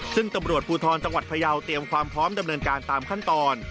ซึ่งตำรวจภูทรจังหวัดพยาวเตรียมความพร้อมดำเนินการตามขั้นตอน